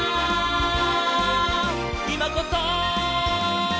「いまこそ！」